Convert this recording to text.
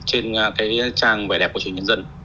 trang vẻ đẹp của truyền hình nhân dân